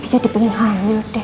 ki jadi pengen hamil dek